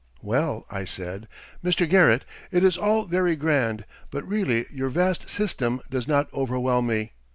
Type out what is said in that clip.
"Well," I said, "Mr. Garrett, it is all very grand, but really your 'vast system' does not overwhelm me.